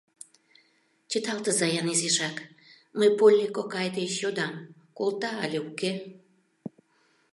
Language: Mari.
— Чытыза-ян изишак, мый Полли кокай деч йодам, колта але уке?